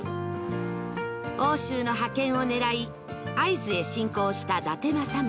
奥州の覇権を狙い会津へ侵攻した伊達政宗